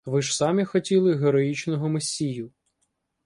Ви ж самі хотіли героїчного месію.